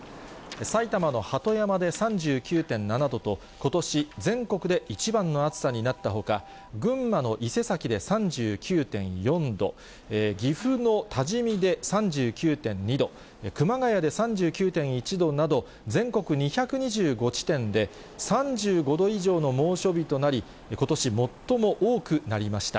埼玉の鳩山で３９．７度と、ことし全国で一番の暑さになったほか、群馬の伊勢崎で３９．４度、岐阜の多治見で３９．２度、熊谷で３９．１度など、全国２２５地点で、３５度以上の猛暑日となり、ことし最も多くなりました。